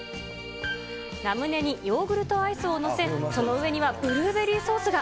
ラムネにヨーグルトアイスを載せ、その上にはブルーベリーソースが。